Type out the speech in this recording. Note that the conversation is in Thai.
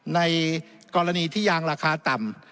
ในกรณีที่ยางราคาต่ำ